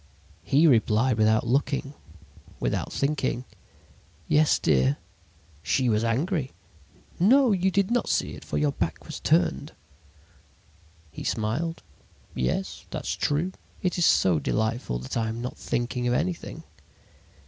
"He replied without looking, without thinking: "'Yes, dear.' "She was angry. "'No, you did not see it, for your back was turned.' "He smiled. "'Yes, that's true. It is so delightful that I am not thinking of anything.'